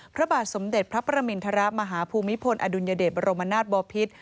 พระบาทสมเด็จพระประมินทรมาฮภูมิพลอดุลยเดชบรมนาศบอพิษ